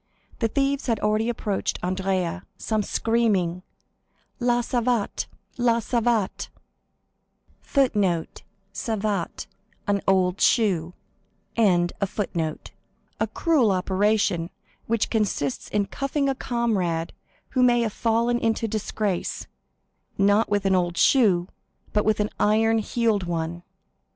The thieves had already approached Andrea, some screaming, _"La savate—La savate!"_26 a cruel operation, which consists in cuffing a comrade who may have fallen into disgrace, not with an old shoe, but with an iron heeled one.